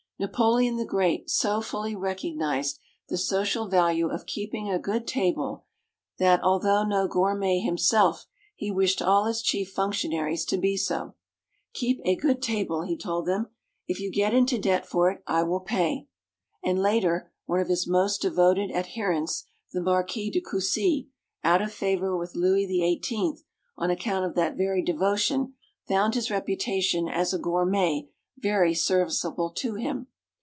Napoleon the Great so fully recognized the social value of keeping a good table that, although no gourmet himself, he wished all his chief functionaries to be so. "Keep a good table," he told them; "if you get into debt for it I will pay." And later, one of his most devoted adherents, the Marquis de Cussy, out of favor with Louis XVIII. on account of that very devotion, found his reputation as a gourmet very serviceable to him.